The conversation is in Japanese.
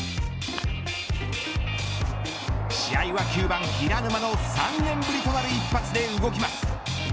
試合は９番平沼の３年ぶりとなる一発で動きます。